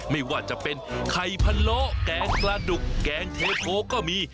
ไม่ว่าจะเป็นไข่พะโลแกงปลาดุกแกงเทโทก็มี